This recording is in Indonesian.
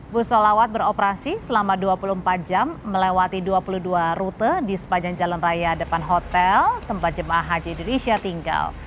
bus solawat beroperasi selama dua puluh empat jam melewati dua puluh dua rute di sepanjang jalan raya depan hotel tempat jemaah haji indonesia tinggal